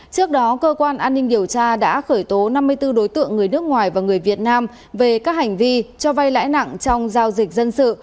trước đó cơ quan an ninh điều tra đã khởi tố năm mươi bốn đối tượng người nước ngoài và người việt nam về các hành vi cho vay lãi nặng trong giao dịch dân sự